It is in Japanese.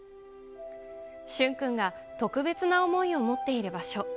駿君が特別な思いを持っている場所。